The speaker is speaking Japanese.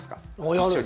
一緒に。